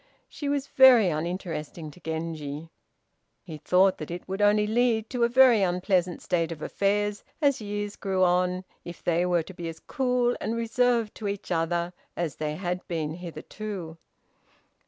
She was very uninteresting to Genji. He thought that it would only lead to a very unpleasant state of affairs, as years grew on, if they were to be as cool and reserved to each other as they had been hitherto.